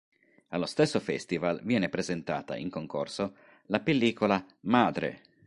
Allo stesso festival viene presentata, in concorso, la pellicola "Madre!